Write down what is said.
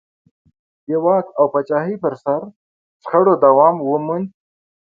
د واک او پاچاهۍ پر سر شخړو دوام وموند.